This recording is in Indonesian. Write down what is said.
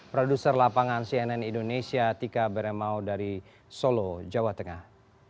produser lapangan cnn indonesia tika beremao dari solo jawa tengah